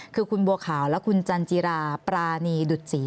คือคุณบัวขาวและคุณจันจิราปรานีดุดศรี